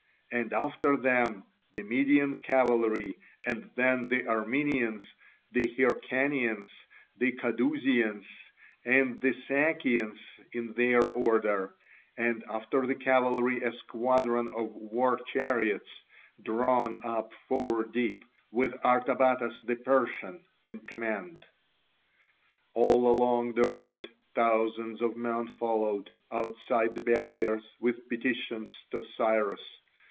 And after them the Median cavalry, and then the Armenians, the Hyrcanians, the Cadousians, and the Sakians in their order; and after the cavalry a squadron of war chariots, drawn up four deep, with Artabatas the Persian in command. All along the route thousands of men followed, outside the barriers, with petitions to Cyrus.